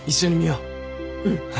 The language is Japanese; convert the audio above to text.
うん